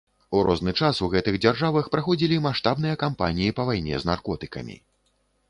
У розны час у гэтых дзяржавах праходзілі маштабныя кампаніі па вайне з наркотыкамі.